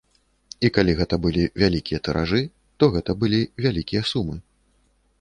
І калі гэта былі вялікія тыражы, то гэта былі вялікія сумы.